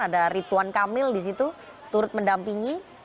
ada rituan kamil disitu turut mendampingi